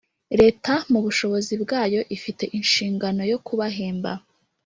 Leta mu bushobozi bwayo ifite inshingano yo kubahemba